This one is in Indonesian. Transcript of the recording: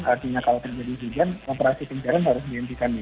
artinya kalau terjadi hujan operasi pencarian harus dihentikan nih